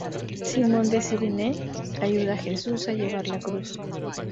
Simón de Cirene ayuda a Jesús a llevar la cruz.